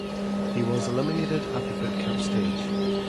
He was eliminated at the boot camp stage.